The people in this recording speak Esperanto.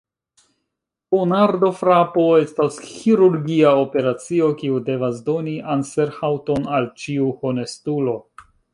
Ponardofrapo estas ĥirurgia operacio, kiu devas doni anserhaŭton al ĉiu honestulo.